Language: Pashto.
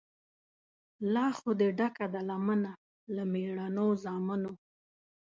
لا خو دي ډکه ده لمن له مېړنو زامنو